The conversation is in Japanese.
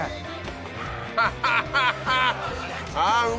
ハハハハハ！